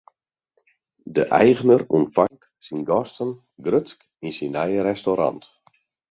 De eigener ûntfangt syn gasten grutsk yn syn nije restaurant.